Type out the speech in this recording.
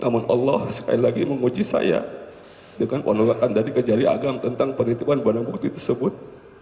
namun allah sekali lagi memuji saya dengan penolakan dari kejari agama tentang penitipan barang bukti tersebut